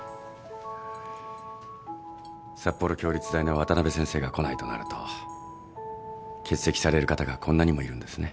札幌共立大の渡辺先生が来ないとなると欠席される方がこんなにもいるんですね。